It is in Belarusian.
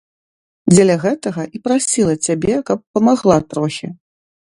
Дзеля гэтага і прасіла цябе, каб памагла трохі.